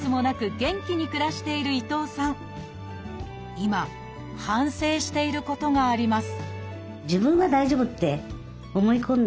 今反省していることがあります